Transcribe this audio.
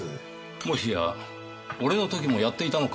もしや俺の時もやっていたのか？